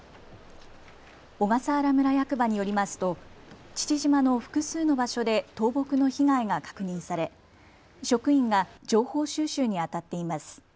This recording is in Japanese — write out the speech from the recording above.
小笠原村役場によりますと父島の複数の場所で倒木の被害が確認され職員が情報収集にあたっています。